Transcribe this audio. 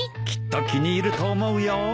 きっと気に入ると思うよ。